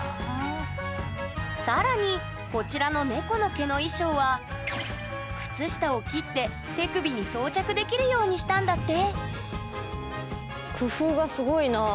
更にこちらの猫の毛の衣装は手首に装着できるようにしたんだって！